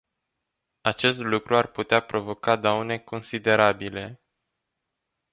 Acest lucru ar putea provoca daune considerabile.